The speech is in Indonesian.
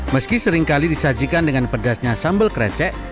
meski seringkali disajikan dengan pedasnya sambal krecek